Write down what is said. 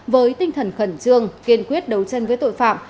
với tinh thần khẩn trương kiên quyết đấu tranh với tội phạm